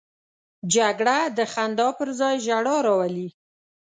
جګړه د خندا پر ځای ژړا راولي